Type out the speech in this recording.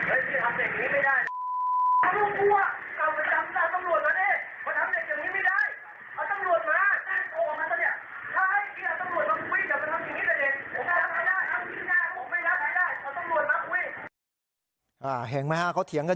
เอ้ยพี่ทำเด็กอย่างนี้ไม่ได้